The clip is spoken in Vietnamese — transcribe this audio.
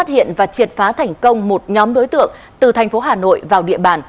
phát hiện và triệt phá thành công một nhóm đối tượng từ thành phố hà nội vào địa bàn